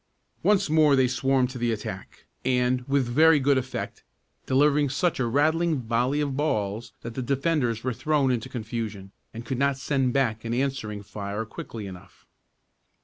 Once more they swarmed to the attack, and with very good effect, delivering such a rattling volley of balls, that the defenders were thrown into confusion, and could not send back an answering fire quickly enough.